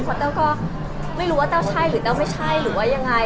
เพราะแต้วก็ไม่รู้ว่าแต้วใช่หรือแต้วไม่ใช่หรือว่ายังไง